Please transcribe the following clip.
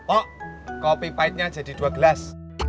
oh kopi pahitnya jadi dua gelas